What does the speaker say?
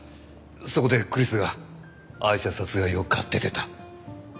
そこでクリスがアイシャ殺害を買って出た？